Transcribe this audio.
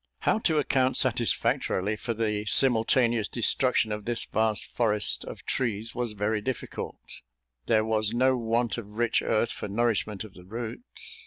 How to account satisfactorily for the simultaneous destruction of this vast forest of trees, was very difficult; there was no want of rich earth for nourishment of the roots.